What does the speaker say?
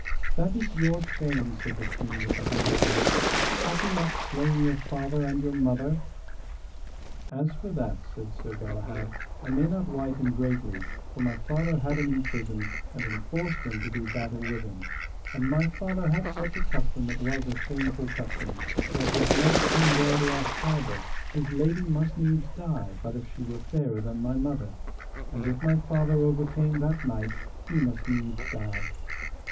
That is your shame, said the King with the Hundred Knights; hath he not slain your father and your mother? As for that, said Sir Galahad, I may not wite him greatly, for my father had him in prison, and enforced him to do battle with him; and my father had such a custom that was a shameful custom, that what knight came there to ask harbour his lady must needs die but if she were fairer than my mother; and if my father overcame that knight he must needs die.